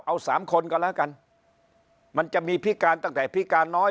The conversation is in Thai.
เอาสามคนก็แล้วกันมันจะมีพิการตั้งแต่พิการน้อย